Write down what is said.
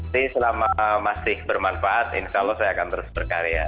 sih selama masih bermanfaat insya allah saya akan terus berkarya